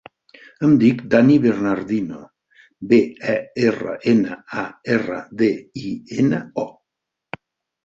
Em dic Dani Bernardino: be, e, erra, ena, a, erra, de, i, ena, o.